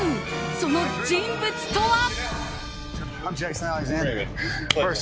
その人物とは。